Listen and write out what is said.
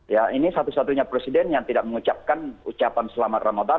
ya ini satu satunya presiden yang tidak mengucapkan ucapan selamat ramadan